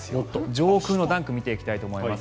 上空の暖気を見ていきたいと思います。